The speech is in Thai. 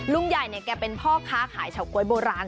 ลุงใหญ่เนี่ยแกเป็นพ่อค้าขายเฉาก๊วยโบราณ